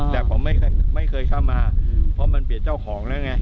แต่ผมไม่เคยเข้ามาเพราะมันเปลี่ยนเจ้าของแล้วไง